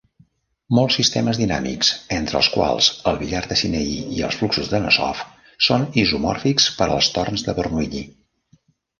Molts sistemes dinàmics, entre els quals el billar de Sinaí i els fluxos d'Anosov són isomòrfics per als torns de Bernoulli.